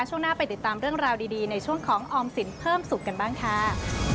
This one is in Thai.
ช่วงหน้าไปติดตามเรื่องราวดีในช่วงของออมสินเพิ่มสุขกันบ้างค่ะ